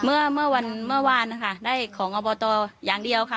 เมื่อวันเมื่อวานค่ะได้ของอตอย่างเดียวค่ะ